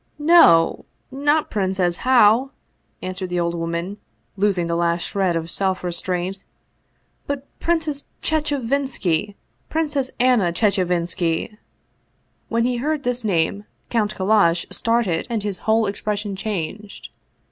" No ! Not Princess How !" answered the old woman, losing the last shred of self restraint; "but Princess Che che vin ski! Princess Anna Chechevinski! " When he heard this name Count Kallash started and his whole expression changed.